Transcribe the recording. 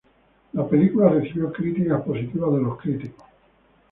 La película recibió críticas positivas de los críticos.